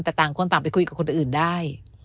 แต่ต่างคนต่างไปคุยกับคนอื่นได้